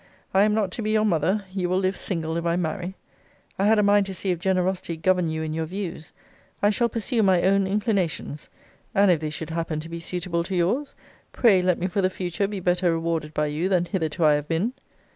I am not to be your mother; you will live single, if I marry. I had a mind to see if generosity govern you in your views. I shall pursue my own inclinations; and if they should happen to be suitable to yours, pray let me for the future be better rewarded by you than hitherto I have been.